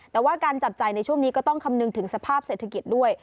แต่ว่าการจับจ่ายในช่วงนี้ก็ต้องคำนึงถึงสภาพเศรษฐกิจด้วย